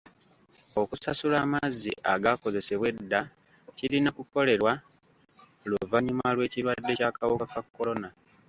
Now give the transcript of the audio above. Okusasula amazzi agaakozesebwa edda kirina kukolerwa luvannyuma lw'ekirwadde ky'akawuka ka kolona.